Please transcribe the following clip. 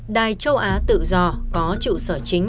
đài châu á tự do có trụ sở chính